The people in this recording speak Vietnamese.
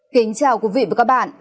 kính chào quý vị và các bạn